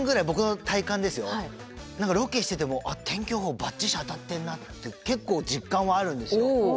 ロケしててもあっ天気予報バッチリ当たってんなって結構実感はあるんですよ。